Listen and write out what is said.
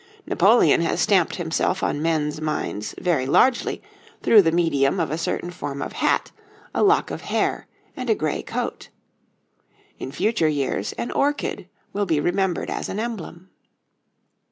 Napoleon has stamped himself on men's minds very largely through the medium of a certain form of hat, a lock of hair, and a gray coat. In future years an orchid will be remembered as an emblem.